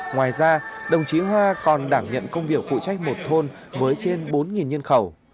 ngoài ra đồng chí hoa còn đảm nhận công việc phụ trách một thôn với trên bốn nhân khẩu